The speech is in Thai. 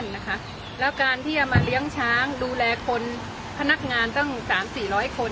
นะคะแล้วการที่จะมาเลี้ยงช้างดูแลคนพนักงานตั้งสามสี่ร้อยคน